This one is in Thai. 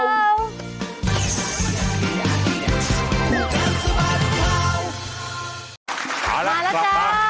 มาแล้วจ้าอาล่ะกลับมา